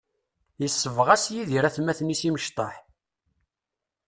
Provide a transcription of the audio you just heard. Yessebɣas Yidir atmaten-is imecṭaḥ.